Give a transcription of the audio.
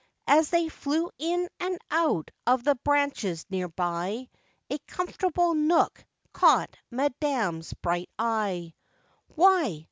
As they flew in and out of the branches near by, A comfortable nook caught madam's bright eye, Why!